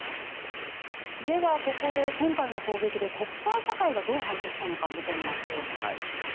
では、ここで今回の攻撃で国際社会がどう反応したのか見てみましょう。